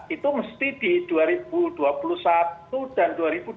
itu mesti di dua ribu dua puluh satu dan dua ribu dua puluh